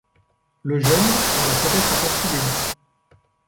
Le jeune, on l’a peut-être aperçu déjà